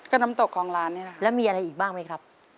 ก็น้ำตกของร้านนี่แหละแล้วมีอะไรอีกบ้างไหมครับ